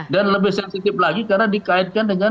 dan lebih sensitif lagi karena dikaitkan dengan